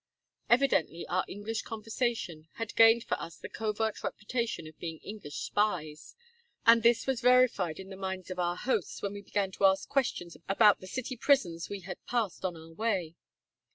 Evidently our English conversation had gained for us the covert reputation of being English spies, and this was verified in the minds of our hosts when we began to ask questions about the city 118 Across Asia on a Bicycle prisons we had passed on our way.